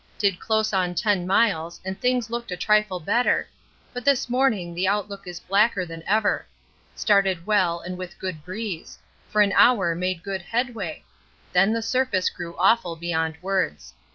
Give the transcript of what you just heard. Did close on 10 miles and things looked a trifle better; but this morning the outlook is blacker than ever. Started well and with good breeze; for an hour made good headway; then the surface grew awful beyond words.